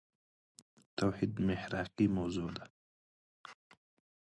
توحيد محراقي موضوع ده.